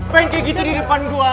pengen kayak gitu di depan gua